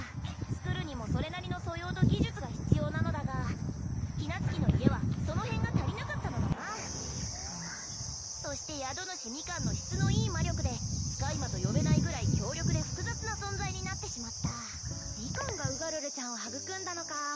作るにもそれなりの素養と技術が必要なのだが陽夏木の家はその辺が足りなかったのだなそして宿主ミカンの質のいい魔力で使い魔と呼べないぐらい強力で複雑な存在になってしまったミカンがウガルルちゃんを育んだのか